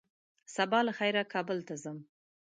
سبا له خيره کابل ته ځم